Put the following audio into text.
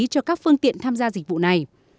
cho các phương tiện tham gia dịch vụ này